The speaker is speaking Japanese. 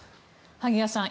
萩谷さん